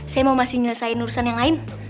saya mau masih nyelesaikan urusan yang lain